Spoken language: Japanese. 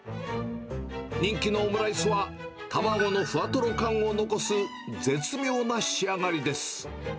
人気のオムライスは、卵のふわとろ感を残す絶妙な仕上がりです。